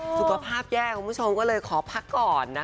สุขภาพแย่คุณผู้ชมก็เลยขอพักก่อนนะ